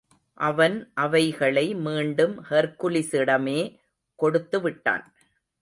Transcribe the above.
அவன் அவைகளை மீண்டும் ஹெர்க்குலிஸிடமே கொடுத்து விட்டான்.